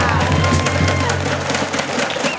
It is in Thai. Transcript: ขอบคุณค่ะ